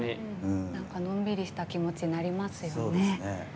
のんびりした気持ちになりますよね。